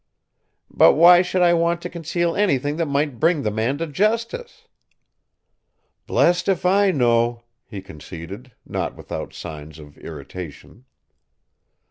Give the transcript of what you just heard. "But why should I want to conceal anything that might bring the man to justice?" "Blessed if I know!" he conceded, not without signs of irritation.